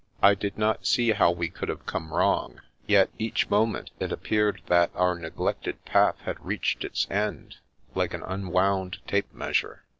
I did not see how we could have come wrong, yet each moment it appeared that our neglected path had reached its end, like an unwound tape measure.